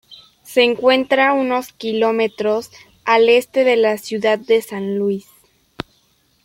Se encuentra unos kilómetros al este de la ciudad de San Luis.